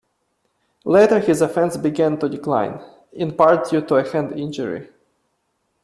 Later his offense began to decline, in part due to a hand injury.